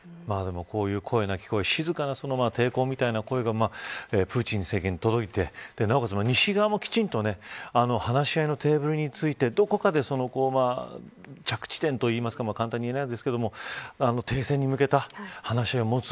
こういう声なき声静かな抵抗みたいな声がプーチン政権に届いてなおかつ西側もきちんと話し合いのテーブルについてどこかで着地点というか簡単には言えませんが停戦に向けた話し合いを持つ。